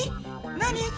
何？